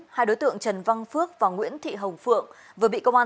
hai đối tượng trần văn phước và nguyễn thị hồng phượng vừa bị công an